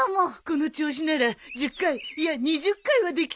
この調子なら１０回いや２０回はできそうだよ。